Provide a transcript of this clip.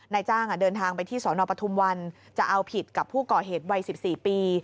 นายจ้างเดินทางไปที่สนปทุมวันจะเอาผิดกับผู้ก่อเหตุวัย๑๔ปี